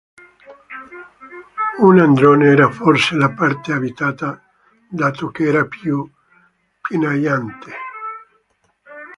Un androne era forse la parte abitata dato che era più pianeggiante.